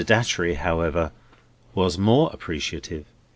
Datchery, however, was more appreciative.